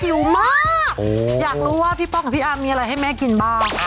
หิวมากอยากรู้ว่าพี่ป้องกับพี่อาร์มมีอะไรให้แม่กินบ้าง